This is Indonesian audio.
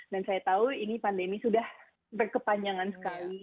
dan saya tahu ini pandemi sudah berkepanjangan sekali